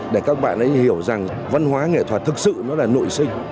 để các bạn ấy hiểu rằng văn hóa nghệ thuật thực sự nó là nội sinh